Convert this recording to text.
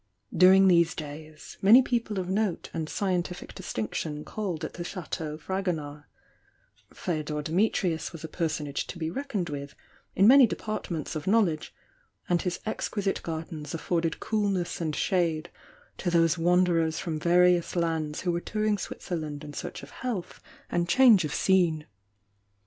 During these days, many people of note and scientific distinction called at the Chateau Fragonard, — Feodor Dimitrius was a personage to be reckoned with in many departments of knowledge, and his exquisite gardens afforded coolness and shade to those wanderers from various lands who were touring Switzerland in search of health and change of scene.